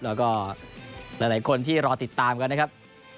แล้วก็หลายคนที่รอติดตามกันนะครับ